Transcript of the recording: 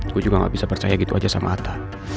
gue juga gak bisa percaya gitu aja sama atta